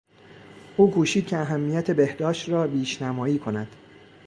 او کوشید که اهمیت بهداشت را بیشنمایی کند.